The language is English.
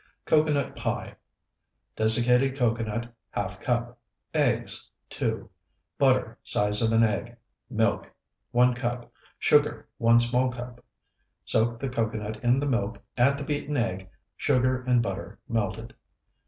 COCOANUT PIE Desiccated Cocoanut, ½ cup. Eggs, 2. Butter, size of an egg. Milk, 1 cup. Sugar, 1 small cup. Soak the cocoanut in the milk, add the beaten egg, sugar, and butter melted.